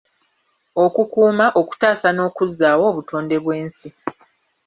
Okukuuma, okutaasa n’okuzzaawo obutonde bw’ensi.